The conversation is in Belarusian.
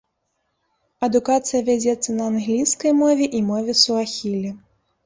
Адукацыя вядзецца на англійскай мове і мове суахілі.